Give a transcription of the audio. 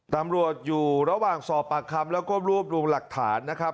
ตำรวจอยู่ระหว่างสอบปากคำแล้วก็รวบรวมหลักฐานนะครับ